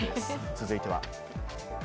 続いては。